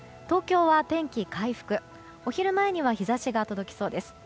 東京は天気回復、お昼前には日差しが届きそうです。